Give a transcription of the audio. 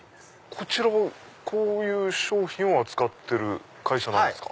こちらはこういう商品を扱ってる会社なんですか？